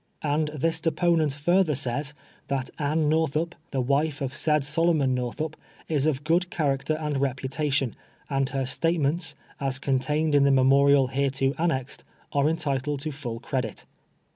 And this deponent further sajs, that Amie Nortliup, the wife of said Solomon Northup, is of g<3od character and reputation, and her statements, as contained in the memorial hereto amiexed, are entitled to full credit.